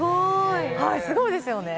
すごいですよね。